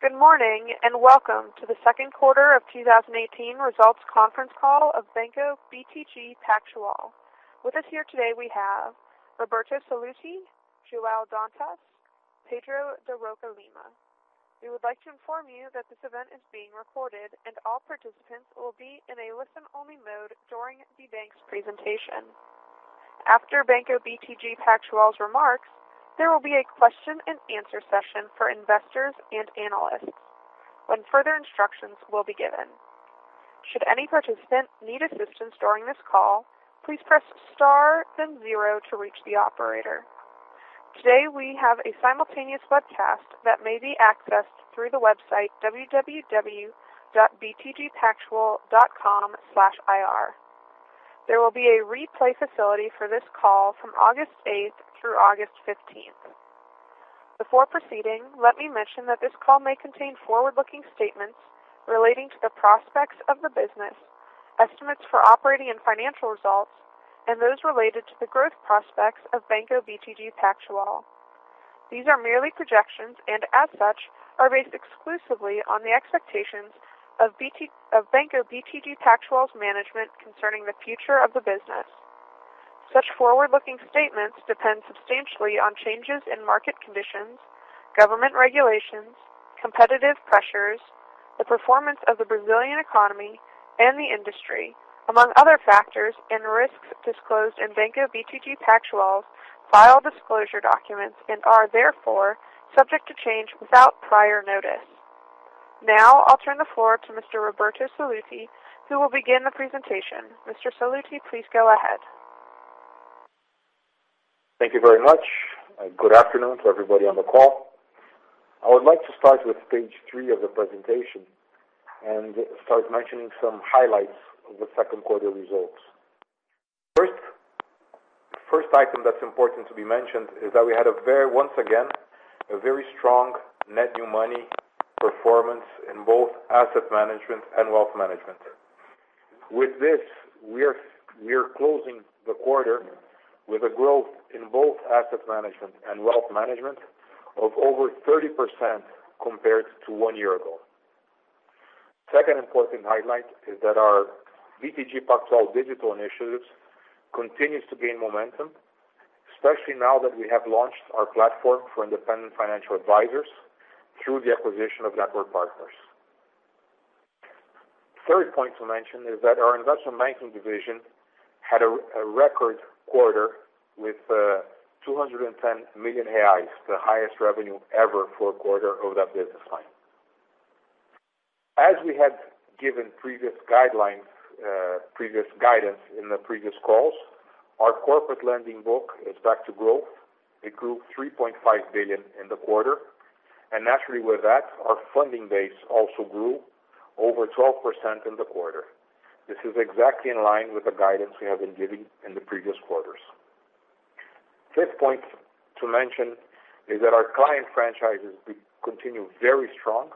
Good morning, welcome to the second quarter of 2018 results conference call of Banco BTG Pactual. With us here today, we have Roberto Sallouti, João Dantas, Pedro de Rocha Lima. We would like to inform you that this event is being recorded, and all participants will be in a listen-only mode during the bank's presentation. After Banco BTG Pactual's remarks, there will be a question and answer session for investors and analysts when further instructions will be given. Should any participant need assistance during this call, please press star then zero to reach the operator. Today, we have a simultaneous webcast that may be accessed through the website www.btgpactual.com/ir. There will be a replay facility for this call from August eighth through August 15th. Before proceeding, let me mention that this call may contain forward-looking statements relating to the prospects of the business, estimates for operating and financial results, and those related to the growth prospects of Banco BTG Pactual. These are merely projections and, as such, are based exclusively on the expectations of Banco BTG Pactual's management concerning the future of the business. Such forward-looking statements depend substantially on changes in market conditions, government regulations, competitive pressures, the performance of the Brazilian economy and the industry, among other factors and risks disclosed in Banco BTG Pactual's file disclosure documents and are, therefore, subject to change without prior notice. I'll turn the floor to Mr. Roberto Sallouti, who will begin the presentation. Mr. Sallouti, please go ahead. Thank you very much. Good afternoon to everybody on the call. I would like to start with page three of the presentation and start mentioning some highlights of the second quarter results. First item that's important to be mentioned is that we had, once again, a very strong net new money performance in both Asset Management and Wealth Management. With this, we are closing the quarter with a growth in both Asset Management and Wealth Management of over 30% compared to one year ago. Second important highlight is that our BTG Pactual Digital initiatives continues to gain momentum, especially now that we have launched our platform for independent financial advisors through the acquisition of Network Partners. Third point to mention is that our Investment Banking division had a record quarter with 210 million reais, the highest revenue ever for a quarter over that business line. As we had given previous guidance in the previous calls, our Corporate Lending book is back to growth. It grew 3.5 billion in the quarter, and naturally, with that, our funding base also grew over 12% in the quarter. This is exactly in line with the guidance we have been giving in the previous quarters. Fifth point to mention is that our client franchises continue very strong,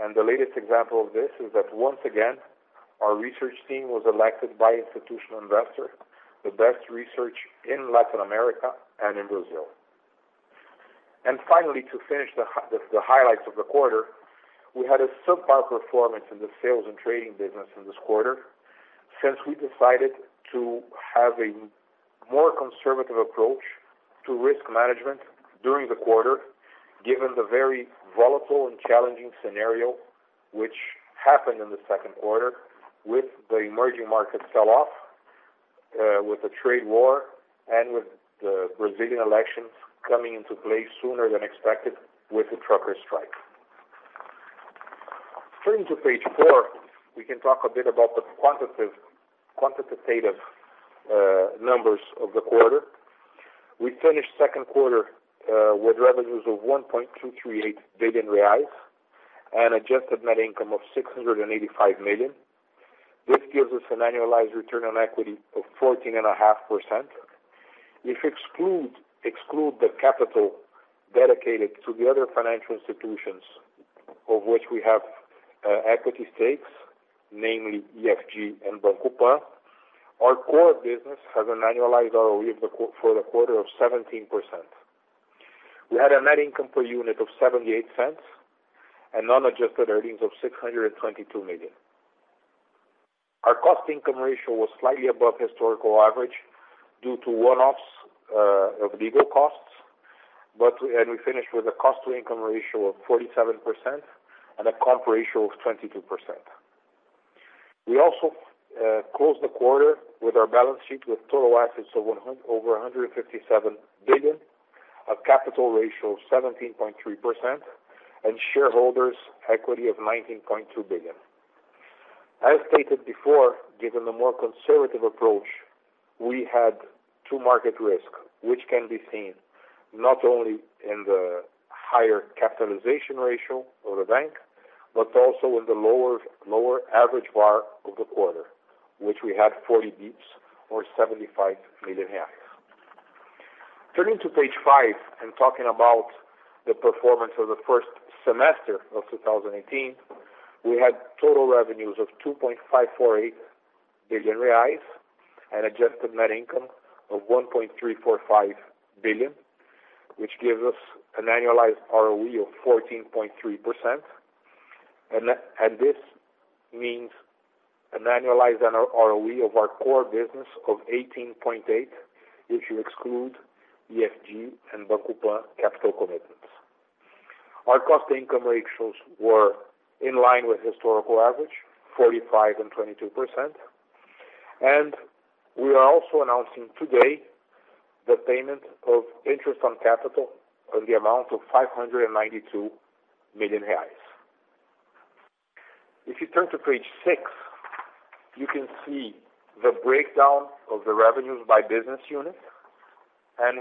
and the latest example of this is that once again, our research team was elected by institutional investors the best research in Latin America and in Brazil. To finish the highlights of the quarter, we had a subpar performance in the Sales and Trading business in this quarter since we decided to have a more conservative approach to risk management during the quarter, given the very volatile and challenging scenario which happened in the second quarter with the emerging market sell-off, with the trade war, and with the Brazilian elections coming into play sooner than expected with the trucker strike. Turning to page four, we can talk a bit about the quantitative numbers of the quarter. We finished second quarter with revenues of 1.238 billion reais and adjusted net income of 685 million. This gives us an annualized return on equity of 14.5%. If you exclude the capital dedicated to the other financial institutions of which we have equity stakes, namely EFG and Banco Pan, our core business has an annualized ROE for the quarter of 17%. We had a net income per unit of 0.78 and non-adjusted earnings of 622 million. Our cost-income ratio was slightly above historical average due to one-offs of legal costs, and we finished with a cost-to-income ratio of 47% and a comp ratio of 22%. We also closed the quarter with our balance sheet with total assets of over 157 billion, a capital ratio of 17.3%, and shareholders' equity of 19.2 billion. As stated before, given the more conservative approach we had to market risk, which can be seen not only in the higher capitalization ratio of the bank, but also in the lower average VaR of the quarter, which we had 40 basis points or 75 million reais. Turning to page five and talking about the performance of the first semester of 2018, we had total revenues of 2.548 billion reais and adjusted net income of 1.345 billion, which gives us an annualized ROE of 14.3%. This means an annualized ROE of our core business of 18.8%, if you exclude EFG and Banco Pan capital commitments. Our cost-to-income ratios were in line with historical average, 45% and 22%. We are also announcing today the payment of interest on capital in the amount of 592 million reais. If you turn to page six, you can see the breakdown of the revenues by business unit.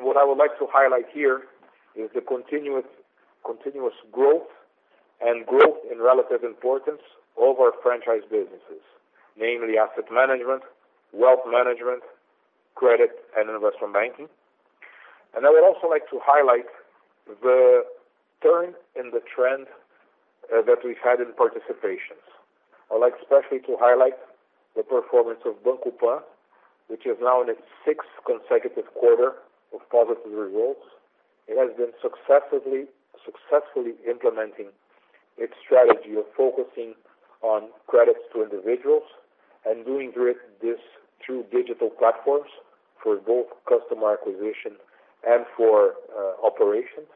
What I would like to highlight here is the continuous growth and growth in relative importance of our franchise businesses, namely Asset Management, Wealth Management, credit, and Investment Banking. I would also like to highlight the turn in the trend that we've had in participations. I'd like especially to highlight the performance of Banco Pan, which is now in its sixth consecutive quarter of positive results. It has been successfully implementing its strategy of focusing on credits to individuals and doing this through digital platforms for both customer acquisition and for operations.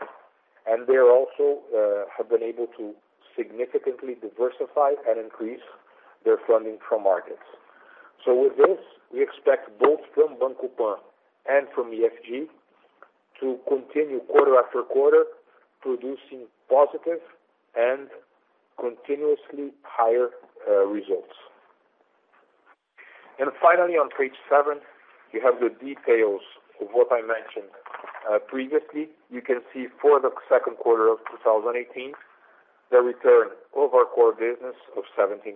They also have been able to significantly diversify and increase their funding from markets. With this, we expect both from Banco Pan and from EFG to continue quarter after quarter, producing positive and continuously higher results. Finally, on page seven, you have the details of what I mentioned previously. You can see for the second quarter of 2018, the return of our core business of 17%,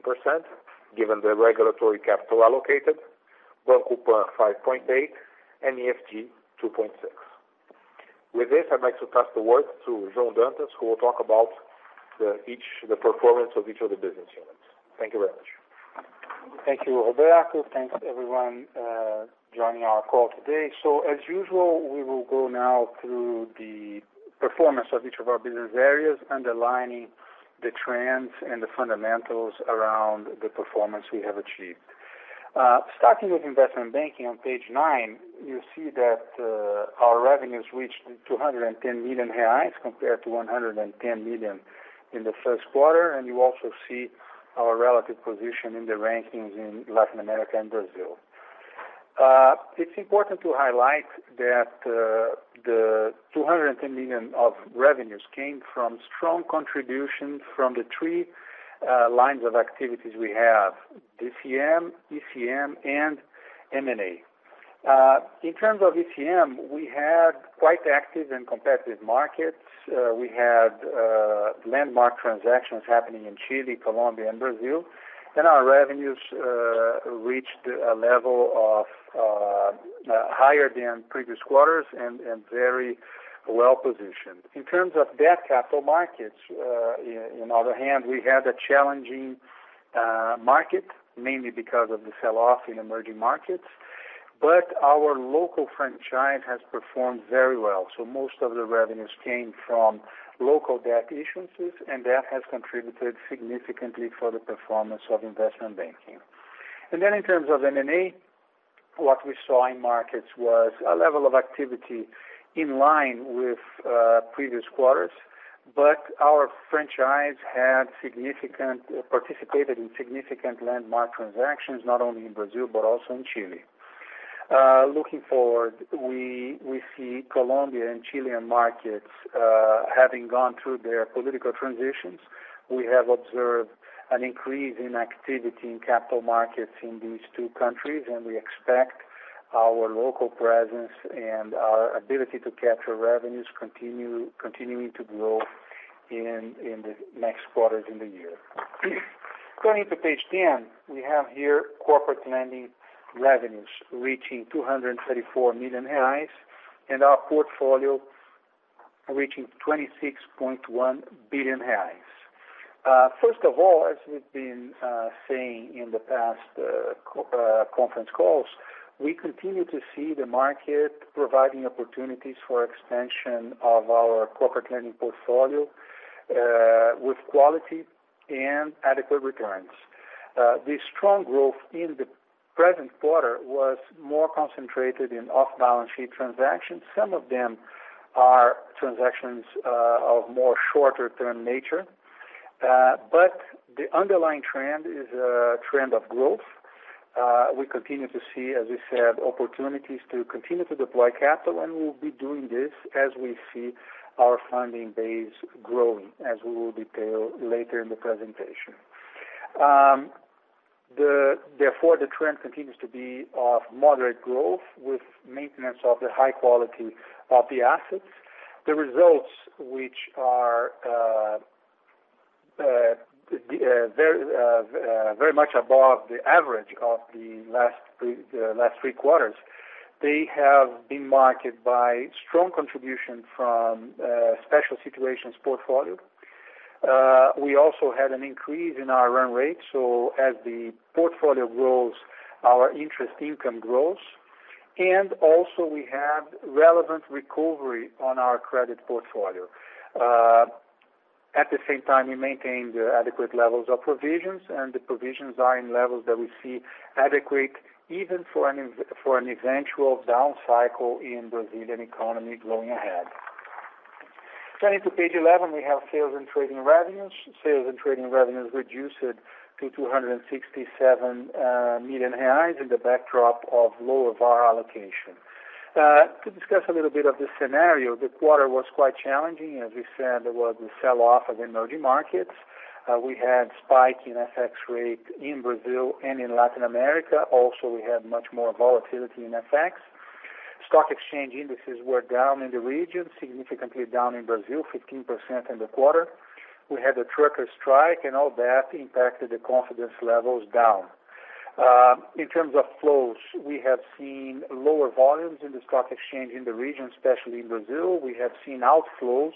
given the regulatory capital allocated, Banco Pan 5.8% and EFG 2.6%. With this, I'd like to pass the word to João Dantas, who will talk about the performance of each of the business units. Thank you very much. Thank you, Roberto. Thanks, everyone, joining our call today. As usual, we will go now through the performance of each of our business areas, underlining the trends and the fundamentals around the performance we have achieved. Starting with Investment Banking on page nine, you see that our revenues reached 210 million reais compared to 110 million in the first quarter, and you also see our relative position in the rankings in Latin America and Brazil. It's important to highlight that the 210 million of revenues came from strong contribution from the three lines of activities we have, DCM, ECM, and M&A. In terms of ECM, we had quite active and competitive markets. We had landmark transactions happening in Chile, Colombia, and Brazil. Our revenues reached a level of higher than previous quarters and very well-positioned. In terms of debt capital markets, on the other hand, we had a challenging market, mainly because of the sell-off in emerging markets. Our local franchise has performed very well, most of the revenues came from local debt issuances, and that has contributed significantly for the performance of Investment Banking. In terms of M&A, what we saw in markets was a level of activity in line with previous quarters, our franchise had participated in significant landmark transactions, not only in Brazil, but also in Chile. Looking forward, we see Colombia and Chilean markets having gone through their political transitions. We have observed an increase in activity in capital markets in these two countries, we expect our local presence and our ability to capture revenues continuing to grow in the next quarters in the year. Turning to page 10, we have here Corporate Lending revenues reaching 234 million reais, and our portfolio reaching 26.1 billion reais. First of all, as we've been saying in the past conference calls, we continue to see the market providing opportunities for expansion of our Corporate Lending portfolio with quality and adequate returns. The strong growth in the present quarter was more concentrated in off-balance sheet transactions. Some of them are transactions of more shorter-term nature, the underlying trend is a trend of growth. We continue to see, as we said, opportunities to continue to deploy capital, we will be doing this as we see our funding base growing, as we will detail later in the presentation. Therefore, the trend continues to be of moderate growth with maintenance of the high quality of the assets. The results which are very much above the average of the last three quarters. They have been marked by strong contribution from special situations portfolio. Also, we had an increase in our run rate, so as the portfolio grows, our interest income grows. Also, we have relevant recovery on our credit portfolio. At the same time, we maintain the adequate levels of provisions. The provisions are in levels that we see adequate even for an eventual down cycle in Brazilian economy going ahead. Turning to page 11, we have Sales and Trading revenues. Sales and Trading revenues reduced to 267 million reais in the backdrop of lower VaR allocation. To discuss a little bit of the scenario, the quarter was quite challenging. As we said, there was the sell-off of emerging markets. We had spike in FX rate in Brazil and in Latin America. Also, we had much more volatility in FX. Stock exchange indices were down in the region, significantly down in Brazil, 15% in the quarter. We had the trucker strike and all that impacted the confidence levels down. In terms of flows, we have seen lower volumes in the stock exchange in the region, especially in Brazil. We have seen outflows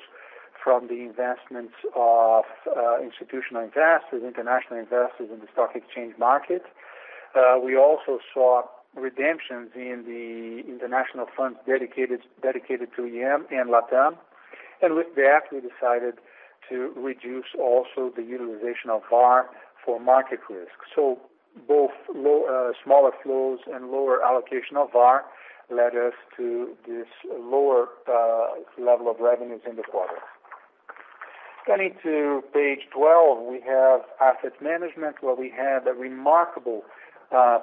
from the investments of institutional investors, international investors in the stock exchange market. We also saw redemptions in the international funds dedicated to EM and LatAm. With that, we decided to reduce also the utilization of VaR for market risk. Both smaller flows and lower allocation of VaR led us to this lower level of revenues in the quarter. Turning to page 12, we have Asset Management, where we had a remarkable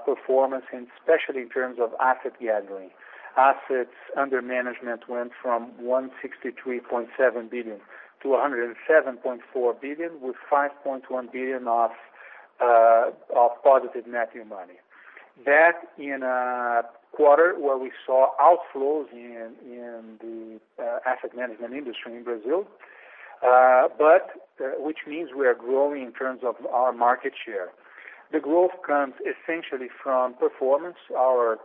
performance, especially in terms of asset gathering. Assets under management went from 163.7 billion to 170.4 billion, with 5.1 billion of positive net new money. That in a quarter where we saw outflows in the Asset Management industry in Brazil, which means we are growing in terms of our market share. The growth comes essentially from performance. Our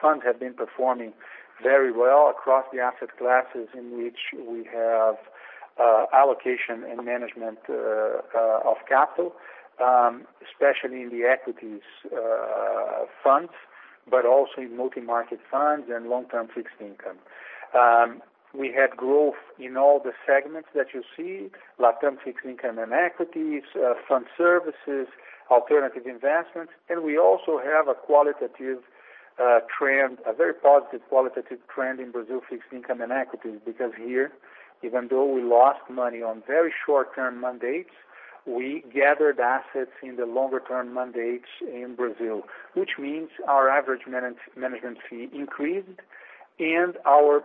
funds have been performing very well across the asset classes in which we have allocation and management of capital, especially in the equities funds, but also in multi-market funds and long-term fixed income. We had growth in all the segments that you see, LatAm fixed income and equities, fund services, alternative investments. Also, we have a very positive qualitative trend in Brazil fixed income and equities, because here, even though we lost money on very short-term mandates, we gathered assets in the longer-term mandates in Brazil. Which means our average management fee increased and our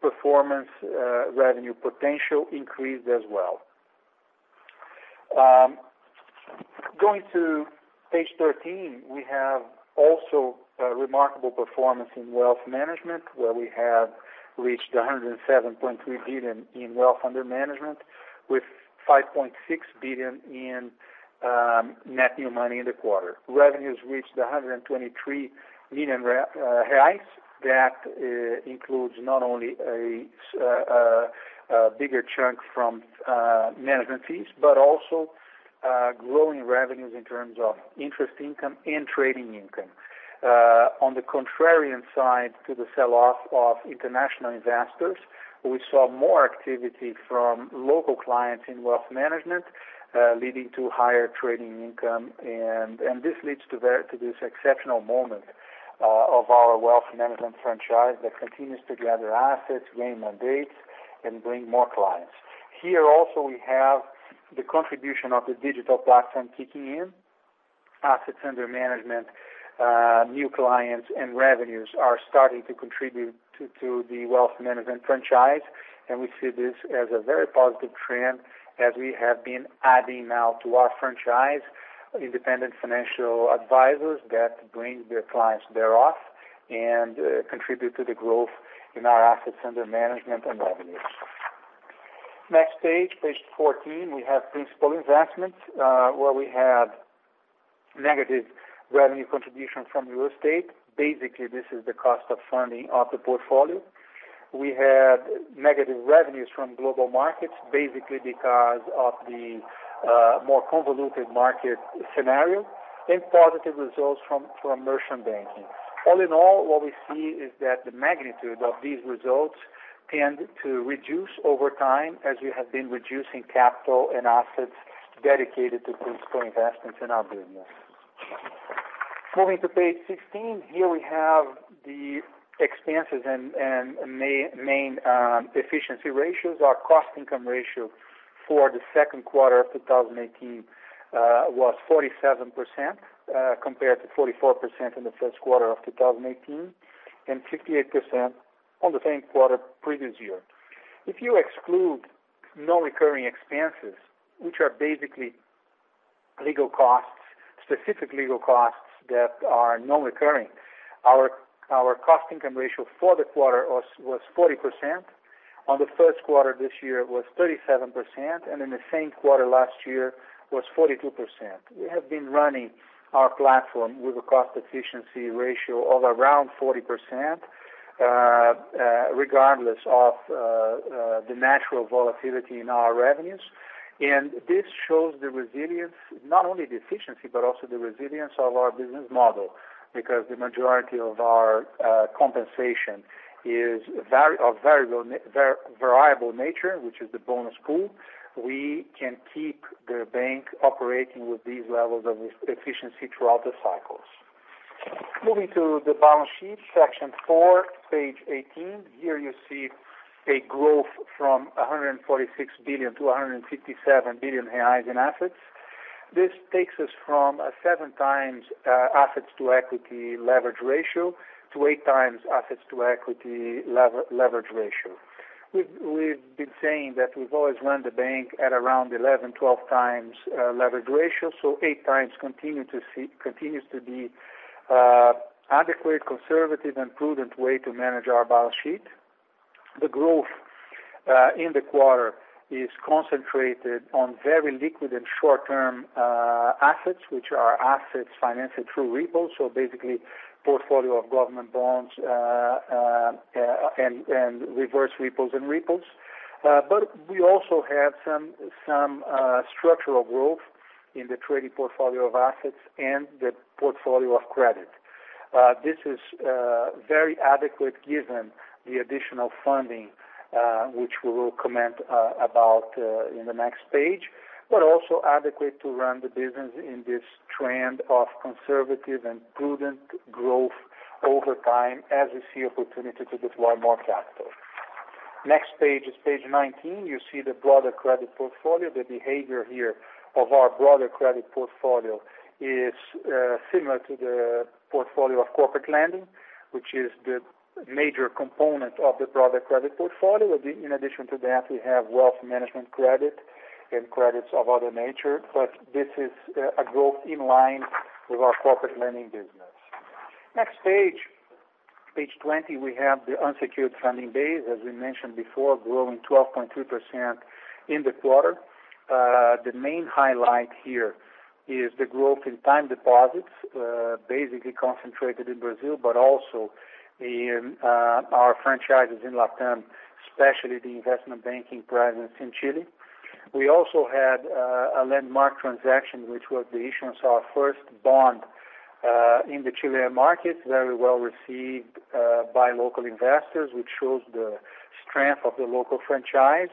performance revenue potential increased as well. Going to page 13, we have also a remarkable performance in Wealth Management, where we have reached 107.3 billion in wealth under management with 5.6 billion in net new money in the quarter. Revenues reached 123 million reais. That includes not only a bigger chunk from management fees, but also growing revenues in terms of interest income and trading income. On the contrarian side to the sell-off of international investors, we saw more activity from local clients in Wealth Management, leading to higher trading income. This leads to this exceptional moment of our Wealth Management franchise that continues to gather assets, gain mandates, and bring more clients. Here also, we have the contribution of the digital platform kicking in. Assets under management, new clients, and revenues are starting to contribute to the Wealth Management franchise, and we see this as a very positive trend as we have been adding now to our franchise independent financial advisors that bring their clients thereof and contribute to the growth in our assets under management and revenues. Next page 14, we have Principal Investments, where we have negative revenue contribution from real estate. Basically, this is the cost of funding of the portfolio. We had negative revenues from global markets, basically because of the more convoluted market scenario, and positive results from Merchant Banking. All in all, what we see is that the magnitude of these results tend to reduce over time as we have been reducing capital and assets dedicated to Principal Investments in our business. Moving to page 16, here we have the expenses and main efficiency ratios. Our cost-income ratio for the second quarter of 2018 was 47%, compared to 44% in the first quarter of 2018, and 58% on the same quarter previous year. If you exclude non-recurring expenses, which are basically legal costs, specific legal costs that are non-recurring, our cost-income ratio for the quarter was 40%. On the first quarter this year, it was 37%, and in the same quarter last year was 42%. We have been running our platform with a cost-efficiency ratio of around 40%, regardless of the natural volatility in our revenues. This shows the resilience, not only the efficiency, but also the resilience of our business model, because the majority of our compensation is of variable nature, which is the bonus pool. We can keep the bank operating with these levels of efficiency throughout the cycles. Moving to the balance sheet, section four, page 18. Here you see a growth from 146 billion to 157 billion reais in assets. This takes us from a 7x assets to equity leverage ratio to 8x assets to equity leverage ratio. We've been saying that we've always run the bank at around 11x, 12x leverage ratio, 8x continues to be adequate, conservative, and prudent way to manage our balance sheet. The growth in the quarter is concentrated on very liquid and short-term assets, which are assets financed through repos. Basically, portfolio of government bonds, and reverse repos and repos. We also have some structural growth in the trading portfolio of assets and the portfolio of credit. This is very adequate given the additional funding, which we will comment about in the next page, but also adequate to run the business in this trend of conservative and prudent growth over time as we see opportunity to deploy more capital. Next page is page 19. You see the broader credit portfolio. The behavior here of our broader credit portfolio is similar to the portfolio of Corporate Lending, which is the major component of the broader credit portfolio. In addition to that, we have Wealth Management credit and credits of other nature, but this is a growth in line with our Corporate Lending business. Next page 20, we have the unsecured funding base, as we mentioned before, growing 12.3% in the quarter. The main highlight here is the growth in time deposits, basically concentrated in Brazil, but also in our franchises in LatAm, especially the Investment Banking presence in Chile. We also had a landmark transaction, which was the issuance of our first bond in the Chilean market, very well-received by local investors, which shows the strength of the local franchise.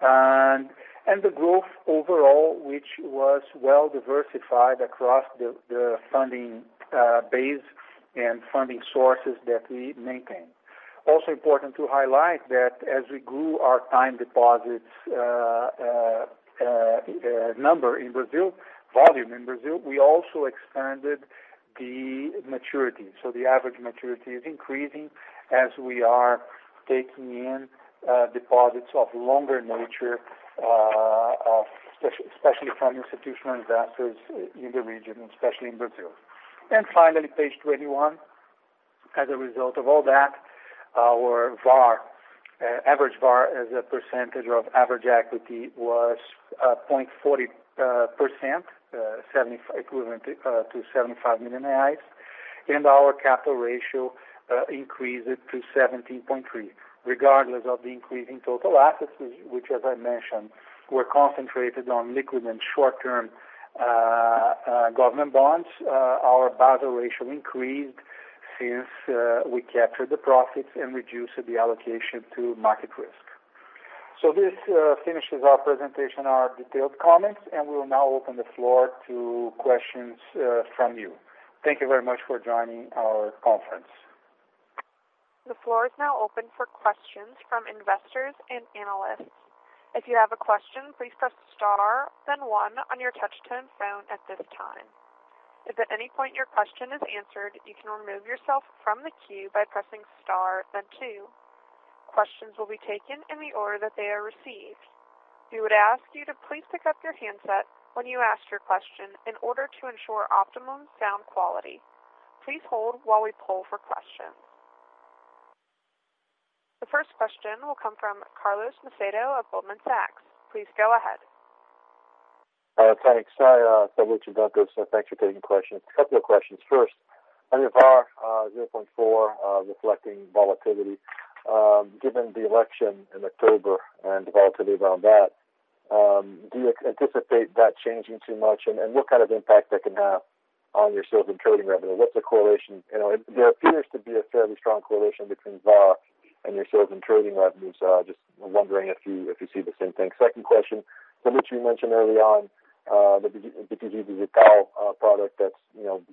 The growth overall, which was well-diversified across the funding base and funding sources that we maintain. Important to highlight that as we grew our time deposits number in Brazil, volume in Brazil, we also expanded the maturity. The average maturity is increasing as we are taking in deposits of longer nature, especially from institutional investors in the region and especially in Brazil. Finally, page 21. As a result of all that, our average VaR as a percentage of average equity was 0.40%, equivalent to 75 million reais, and our capital ratio increased to 17.3%. Regardless of the increase in total assets, which as I mentioned, were concentrated on liquid and short-term government bonds, our Basel ratio increased since we captured the profits and reduced the allocation to market risk. This finishes our presentation, our detailed comments, and we will now open the floor to questions from you. Thank you very much for joining our conference. The floor is now open for questions from investors and analysts. If you have a question, please press star then one on your touch-tone phone at this time. If at any point your question is answered, you can remove yourself from the queue by pressing star then two. Questions will be taken in the order that they are received. We would ask you to please pick up your handset when you ask your question in order to ensure optimum sound quality. Please hold while we pull for questions. The first question will come from Carlos Macedo of Goldman Sachs. Please go ahead. Thanks. Hi, Roberto and Dantas. Thanks for taking questions. A couple of questions. First, on your VaR, 0.4%, reflecting volatility. Given the election in October and the volatility around that, do you anticipate that changing too much, and what kind of impact that can have on your Sales and Trading revenue? What's the correlation? There appears to be a fairly strong correlation between VaR and your Sales and Trading revenues. Just wondering if you see the same thing. Second question, Roberto, you mentioned early on the BTG Pactual product that's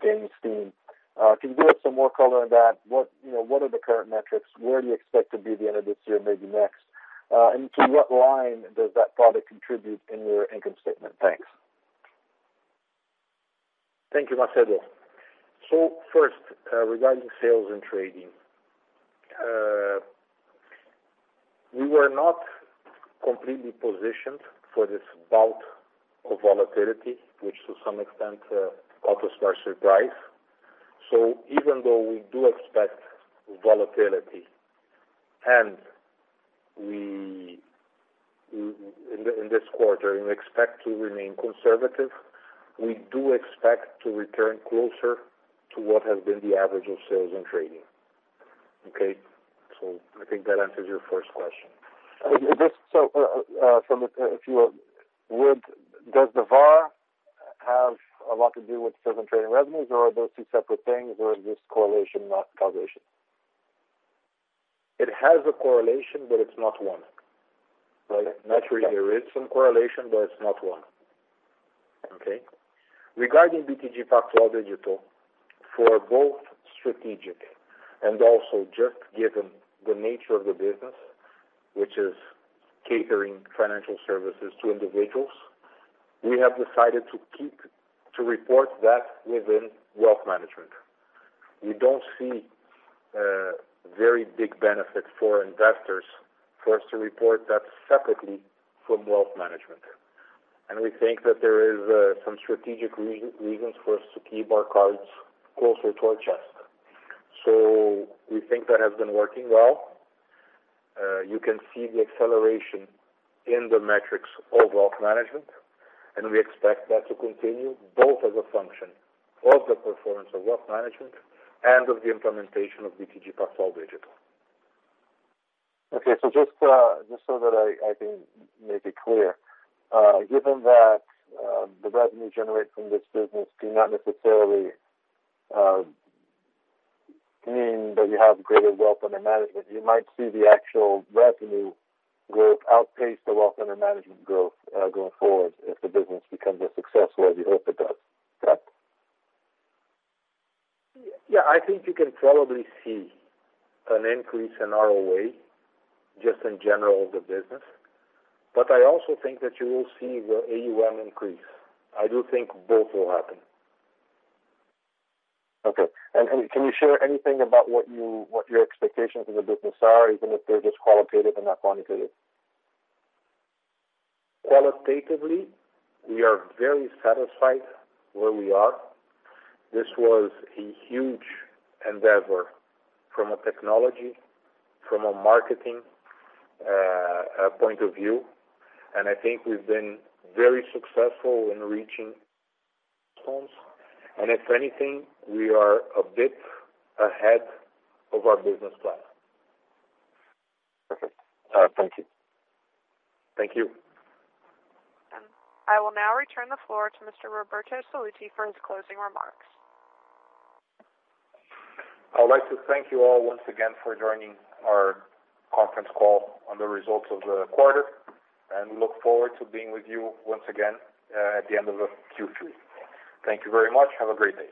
gaining steam. Can you give us some more color on that? What are the current metrics? Where do you expect to be at the end of this year, maybe next? To what line does that product contribute in your income statement? Thanks. Thank you, Carlos Macedo. First, regarding Sales and Trading. We were not completely positioned for this bout of volatility, which to some extent caught us by surprise. Even though we do expect volatility in this quarter and expect to remain conservative, we do expect to return closer to what has been the average of Sales and Trading. Okay? I think that answers your first question. Does the VaR have a lot to do with Sales and Trading revenues, or are those two separate things, or is this correlation, not causation? It has a correlation, but it's not one. Naturally, there is some correlation, but it's not one. Okay? Regarding BTG Pactual Digital, for both strategic and also just given the nature of the business, which is catering financial services to individuals, we have decided to report that within Wealth Management. We don't see a very big benefit for investors for us to report that separately from Wealth Management. We think that there is some strategic reasons for us to keep our cards closer to our chest. We think that has been working well. You can see the acceleration in the metrics of Wealth Management, and we expect that to continue both as a function of the performance of Wealth Management and of the implementation of BTG Pactual Digital. Okay. Just so that I can make it clear, given that the revenue generated from this business do not necessarily mean that you have greater wealth under management, you might see the actual revenue growth outpace the wealth under management growth going forward if the business becomes as successful as you hope it does. Is that correct? I think you can probably see an increase in ROA, just in general of the business. I also think that you will see the AUM increase. I do think both will happen. Okay. Can you share anything about what your expectations of the business are, even if they're just qualitative and not quantitative? Qualitatively, we are very satisfied where we are. This was a huge endeavor from a technology, from a marketing point of view, I think we've been very successful in reaching customers. If anything, we are a bit ahead of our business plan. Okay. All right. Thank you. Thank you. I will now return the floor to Mr. Roberto Sallouti for his closing remarks. I would like to thank you all once again for joining our conference call on the results of the quarter. We look forward to being with you once again at the end of Q3. Thank you very much. Have a great day.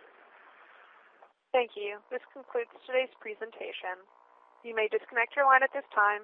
Thank you. This concludes today's presentation. You may disconnect your line at this time.